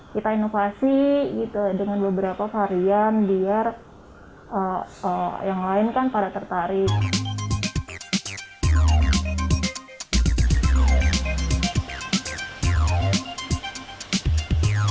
kita inovasi dengan beberapa varian biar yang lain kan pada tertarik